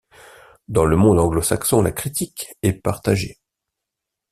Dans le monde anglo-saxon la critique est partagée.